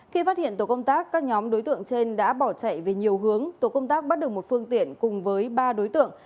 khi phát hiện tổ công tác các nhóm đối tượng trên đã bỏ chạy về nhiều hướng tổ công tác bắt được một phương tiện cùng với ba đối tượng